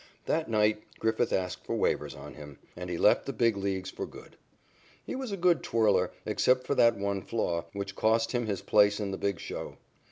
That night Griffith asked for waivers on him, and he left the Big Leagues for good. He was a good twirler, except for that one flaw, which cost him his place in the big show.